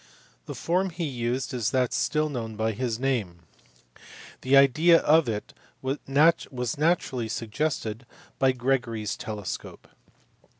The form he used is that still known by his name ; the idea of it was naturally suggested by Gregory s telescope.